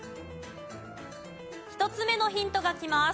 １つ目のヒントがきます。